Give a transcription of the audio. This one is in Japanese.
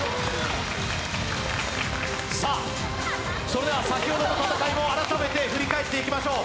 それでは先ほどの戦いを改めて振り返っていきましょう。